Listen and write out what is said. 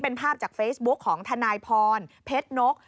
เป็นภาพจากเฟซบุ๊คของทนายพรเพชรนก